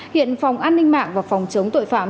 hiện phòng an ninh mạng và phòng chống tội phạm